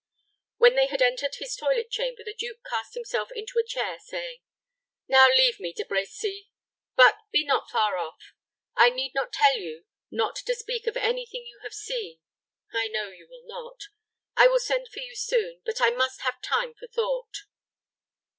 When they had entered his toilet chamber, the duke cast himself into a chair, saying, "Now leave me, De Brecy; but be not far off. I need not tell you not to speak of any thing you have seen. I know you will not. I will send for you soon; but I must have time for thought."